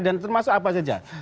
dan termasuk apa saja